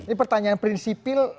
ini pertanyaan prinsipil